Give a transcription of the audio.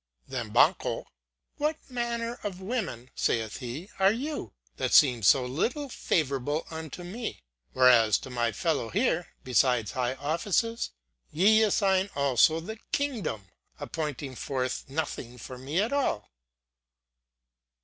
Then Banquho: "What manner of women (saith he) are you that seem so little favourable unto me, whereas to my fellow here, besides high offices, ye assign also the kingdom, appointing forth nothing for me at all?"